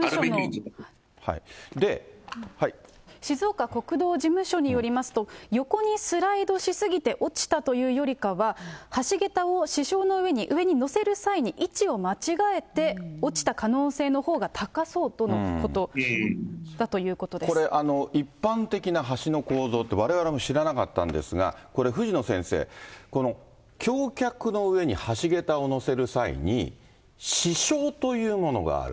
静岡国道事務所によりますと、横にスライドし過ぎて落ちたというよりかは、橋桁を支承の上に、上に載せる際に、位置を間違えて落ちた可能性のほうが高そうとのことだということこれ、一般的な橋の構造って、われわれも知らなかったんですが、これ、藤野先生、橋脚の上に橋桁を載せる際に、支承というものがある。